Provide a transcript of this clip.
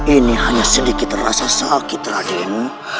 ini hanya sedikit rasa sakit lain